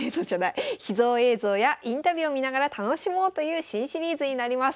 秘蔵映像やインタビューを見ながら楽しもうという新シリーズになります。